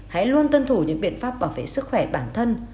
hãy luôn tuân thủ những biện pháp bảo vệ sức khỏe bản thân